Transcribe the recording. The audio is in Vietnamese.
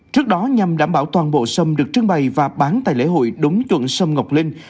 trước đó nhằm đảm bảo toàn bộ sâm được trưng bày và bán tại lễ hội đúng chuẩn sâm ngọc linh